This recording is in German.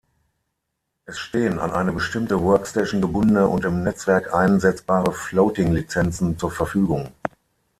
Es stehen an eine bestimmte Workstation gebundene und im Netzwerk einsetzbare Floating-Lizenzen zur Verfügung.